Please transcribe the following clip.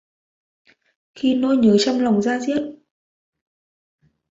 Khi nỗi nhớ trong lòng da diết